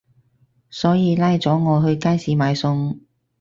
所以拉咗我去街市買餸